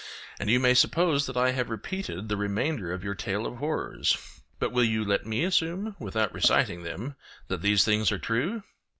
And you may suppose that I have repeated the remainder of your tale of horrors. But will you let me assume, without reciting them, that these things are true?